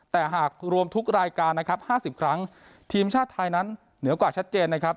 แต่หากรวมทุกรายการนะครับห้าสิบครั้งทีมชาติไทยนั้นเหนือกว่าชัดเจนนะครับ